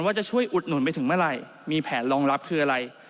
ว่าจะช่วยอุดหนุนไปถึงเมื่อไหร่มีแผนรองรับคืออะไร